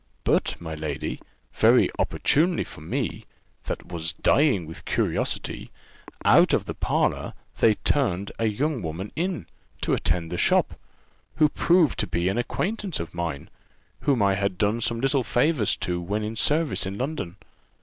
But, my lady, very opportunely for me, that was dying with curiosity, out of the parlour they turned a young woman in, to attend the shop, who proved to be an acquaintance of mine, whom I had done some little favours to when in service in London.